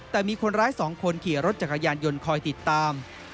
แต่มีคนร้าย๒คนขี่รถจักรยานยนต์คอยติดตาม